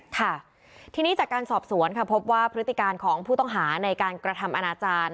ค่ะทีนี้จากการสอบสวนค่ะพบว่าพฤติการของผู้ต้องหาในการกระทำอนาจารย์